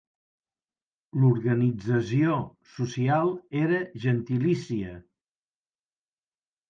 L'organització social era gentilícia.